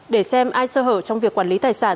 để xem ai sơ hở trong việc quản lý tài sản